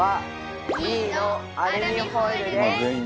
Ｂのアルミホイルです。